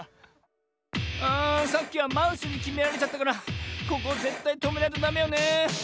あさっきはマウスにきめられちゃったからここはぜったいとめないとダメよね。